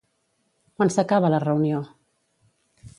Quan s'acaba la reunió?